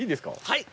はい。